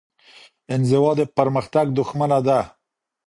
انزوا د پرمختګ دښمنه ده.